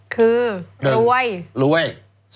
คือ๑รวย